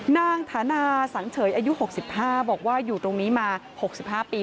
ฐานาสังเฉยอายุ๖๕บอกว่าอยู่ตรงนี้มา๖๕ปี